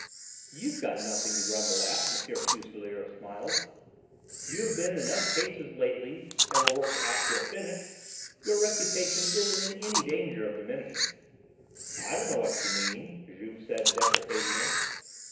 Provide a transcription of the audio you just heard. "You've got nothing to grumble at," M. Fuselier smiled. "You have been in enough cases lately that were worked out to a finish. Your reputation isn't in any danger of diminishing." "I don't know what you mean," Juve said deprecatingly.